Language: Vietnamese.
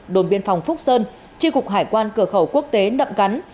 đồn biên phòng phúc sơn tri cục hải quan cửa khẩu quốc tế nậm cắn